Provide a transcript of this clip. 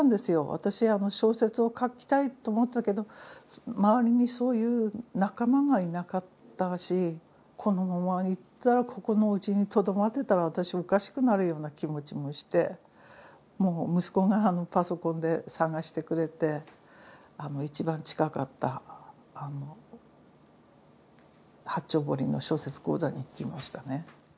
私小説を書きたいって思ってたけど周りにそういう仲間がいなかったしこのままいったらここのおうちにとどまってたら私おかしくなるような気持ちもして息子がパソコンで探してくれて一番近かった八丁堀の小説講座に行きましたね。